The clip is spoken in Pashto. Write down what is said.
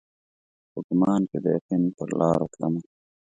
په ګمان کښي د یقین پرلارو تلمه